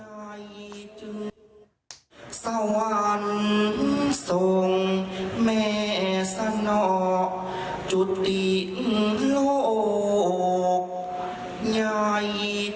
มาเสพเหนือสรรน้ำตาใจในแววระสุดท้ายป้ายชีวิต